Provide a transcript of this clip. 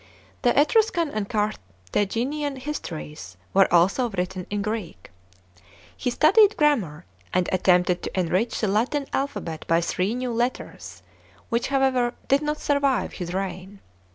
The Etruscan and Car thaginian histories were also written in Greek. He studied grammar, and attempted to enrich the Latin alphabet by three new letters,* which, however, did not survive his reign.